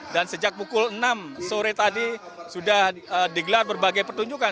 dan sejak pukul enam sore tadi sudah digelar berbagai pertunjukan